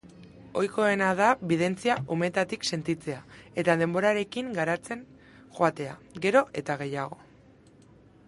Ohikoena da bidentzia umetatik sentitzea eta denborarekin garatzen joatea, gero eta gehiago.